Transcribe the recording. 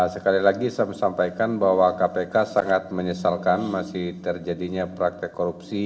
sekali lagi saya mau sampaikan bahwa kpk sangat menyesalkan masih terjadinya praktek korupsi